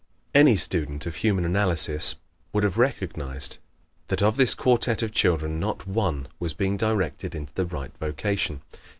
Any student of Human Analysis would have recognized that of this quartet of children not one was being directed into the right vocation.